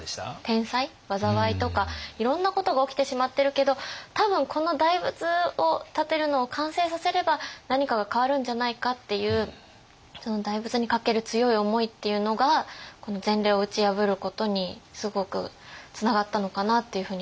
天災災いとかいろんなことが起きてしまってるけど多分この大仏を建てるのを完成させれば何かが変わるんじゃないかっていうその大仏にかける強い思いっていうのがこの前例を打ち破ることにすごくつながったのかなというふうに感じました。